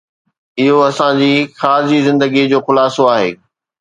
اهو اسان جي خارجي زندگي جو خلاصو آهي